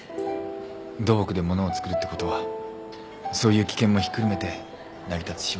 土木で物を造るってことはそういう危険もひっくるめて成り立つ仕事なんだ。